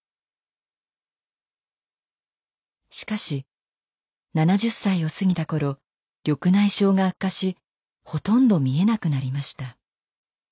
しかし７０歳を過ぎた頃緑内障が悪化しほとんど見えなくなりました。